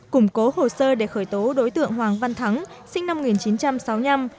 củng cố hồ sơ để khởi tố đối tượng hoàng văn thắng sinh năm một nghìn chín trăm sáu mươi năm